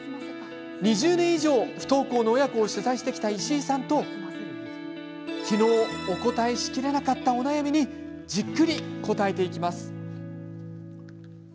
２０年以上、不登校の親子を取材してきた石井さんと昨日お答えしきれなかったお悩みにじっくり答えていきます。